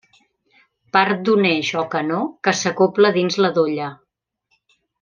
Part d'un eix o canó que s'acobla dins la dolla.